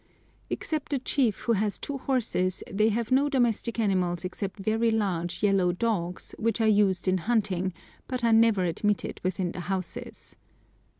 Except the chief, who has two horses, they have no domestic animals except very large, yellow dogs, which are used in hunting, but are never admitted within the houses.